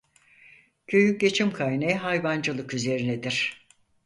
Köyün geçim kaynağı hayvancılık üzerinedir.